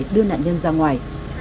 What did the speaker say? đưa nạn nhân ra ngoài